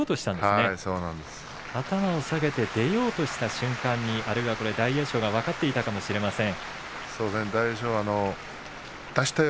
頭を下げて出ようとした瞬間に大栄翔は分かっていたのかもしれません。